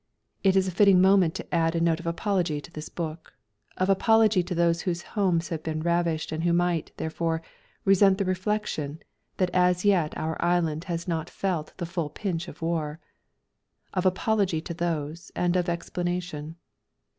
It is a fitting moment to add a note of apology to this book, of apology to those whose homes have been ravished and who might, therefore, resent the reflection that as yet our Island has not felt the full pinch of war; of apology to those and of explanation.